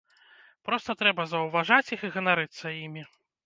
Проста трэба заўважаць іх і ганарыцца імі.